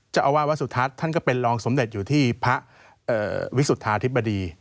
เจ้าอาวาสวัสสุทัศน์ท่านก็เป็นรองสมเด็จอยู่ที่พระวิสุทธาธิบดี